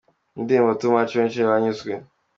Mu ndirimbo 'Too Much' benshi banyuzwe.